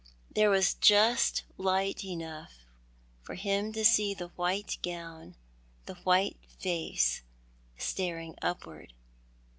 There was just light enough for him to see the white gown, the white face staring upward.